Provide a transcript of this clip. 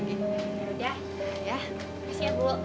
terima kasih ya bu